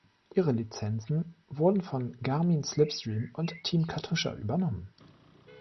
Ihre Lizenzen wurden von Garmin-Slipstream und Team Katusha übernommen.